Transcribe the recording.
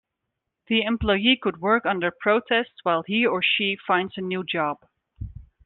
The employee could work under protest while he or she finds a new job.